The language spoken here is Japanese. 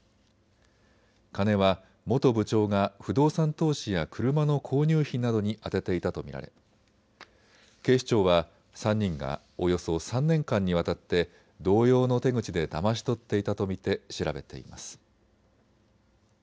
金は元部長が不動産投資や車の購入費などに充てていたと見られ警視庁は３人がおよそ３年間にわたって同様の手口でだまし取っていたと見て調べています。